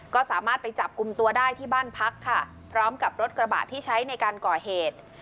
ก็สามารถไปจับกลุ่มตัวได้ที่บ้านพักค่ะพร้อมกับรถกระบะที่ใช้ในการก่อเหตุ